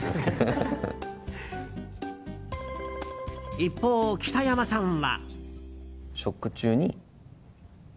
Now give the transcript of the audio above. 一方、北山さんは。